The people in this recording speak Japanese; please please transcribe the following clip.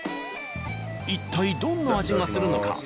一体どんな味がするのか？